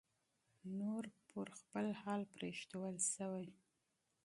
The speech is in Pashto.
نور پر خپل حال پرېښودل شوی